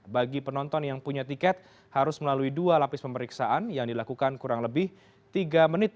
bagi penonton yang punya tiket harus melalui dua lapis pemeriksaan yang dilakukan kurang lebih tiga menit